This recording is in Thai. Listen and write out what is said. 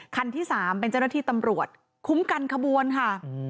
คันที่๓เป็นเจ้าหน้าที่ตำรวจคุ้มกันขบวนค่ะ